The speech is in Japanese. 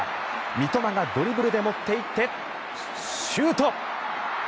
三笘がドリブルで持っていってシュート！